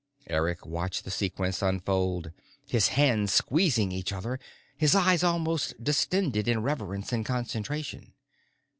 Eric watched the sequence unfold, his hands squeezing each other, his eyes almost distended in reverence and concentration.